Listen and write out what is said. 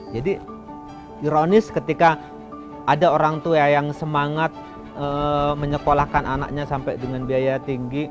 jadi ironis ketika ada orang tua yang semangat menyekolahkan anaknya sampai dengan biaya tinggi